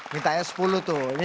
mintanya sepuluh tuh